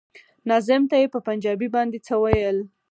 ناظم ته يې په پنجابي باندې څه ويل.